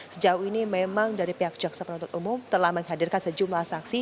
sejauh ini memang dari pihak jaksa penuntut umum telah menghadirkan sejumlah saksi